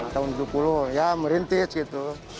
tahun tujuh puluh ya merintis gitu